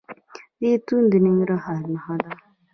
زیتون د ننګرهار نښه ده.